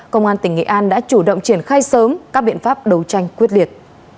công an tỉnh nghệ an đã chủ động triển khai sớm các biện pháp đấu tranh quyết liệt